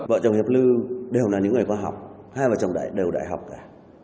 vợ chồng hiệp lư đều là những người có học hai vợ chồng đều đại học cả